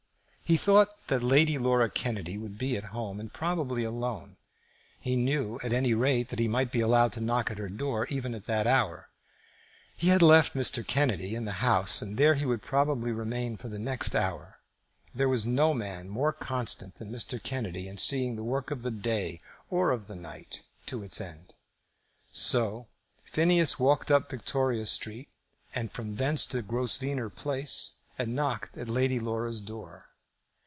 He thought that Lady Laura Kennedy would be at home, and probably alone. He knew, at any rate, that he might be allowed to knock at her door, even at that hour. He had left Mr. Kennedy in the House, and there he would probably remain for the next hour. There was no man more constant than Mr. Kennedy in seeing the work of the day, or of the night, to its end. So Phineas walked up Victoria Street, and from thence into Grosvenor Place, and knocked at Lady Laura's door.